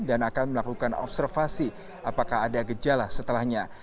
dan akan melakukan observasi apakah ada gejala setelahnya